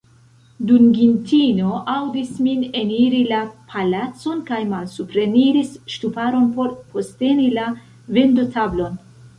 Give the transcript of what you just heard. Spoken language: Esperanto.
Dungitino aŭdis min eniri la palacon, kaj malsupreniris ŝtuparon por posteni la vendotablon.